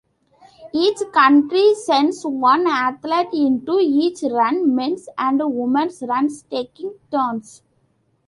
Each country sends one athlete into each run, men's and women's runs taking turns.